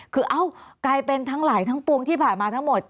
คือเอ้ากลายเป็นทั้งหลายทั้งปวงที่ผ่านมาทั้งหมด